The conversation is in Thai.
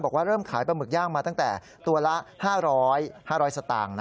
เริ่มขายปลาหมึกย่างมาตั้งแต่ตัวละ๕๐๐๕๐๐สตางค์